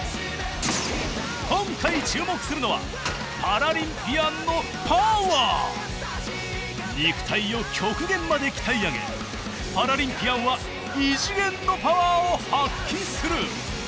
今回注目するのはパラリンピアンの肉体を極限まで鍛え上げパラリンピアンは異次元のパワーを発揮する。